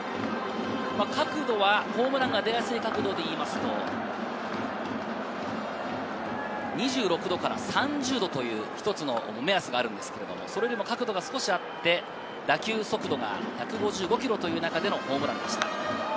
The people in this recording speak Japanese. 角度は、ホームランが出やすい角度でいうと、２６度から３０度という一つの目安がありますが、それよりも少し角度があって、打球速度が１５５キロという中でのホームランでした。